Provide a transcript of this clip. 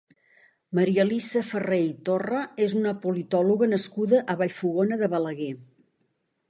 Marialisa Farré i Torra és una politòloga nascuda a Vallfogona de Balaguer.